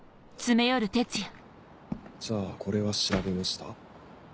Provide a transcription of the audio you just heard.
じゃあこれは調べました？